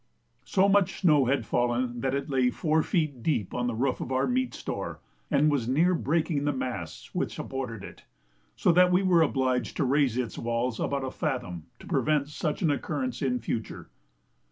So much snow had fallen that it lay four feet deep on the roof of our meat store, and was near breaking the masts which supported it; so that we were obliged to raise its walls about a fathom to prevent such an occurrence in future.